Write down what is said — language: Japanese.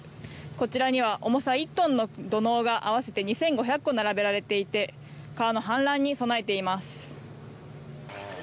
こちらには重さ１トンの土のうが合わせて２５００個並べられていて川の氾濫に備えています。